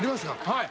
はい。